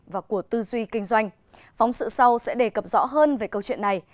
và của tư duy kinh doanh phóng sự sau sẽ đề cập rõ hơn về câu chuyện này